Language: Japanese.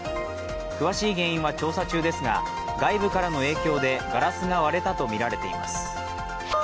詳しい原因は調査中ですが外部からの影響でガラスが割れたとみられています。